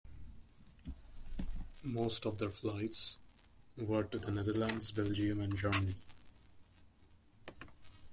Most of their flights were to the Netherlands, Belgium and Germany.